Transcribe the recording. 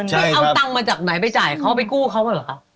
ไปเอาตังค์มาจากไหนไปจ่ายเขาไปกู้เขามาเหรอคะ